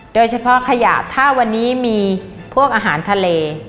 โดยเฉพาะขยะถ้าวันนี้มีพวกอาหารทะเล